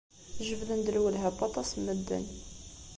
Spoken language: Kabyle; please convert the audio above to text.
Jebden-d lwelha n waṭas n medden.